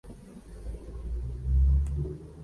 Además, la planta de aves de Tudela fue remodelada.